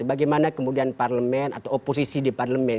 bagaimana kemudian parlemen atau oposisi di parlemen